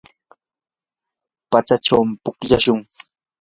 patsachaw pukllashun.